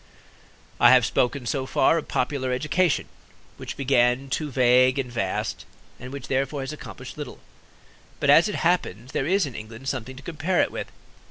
I have spoken so far of popular education, which began too vague and vast and which therefore has accomplished little. But as it happens there is in England something to compare it with.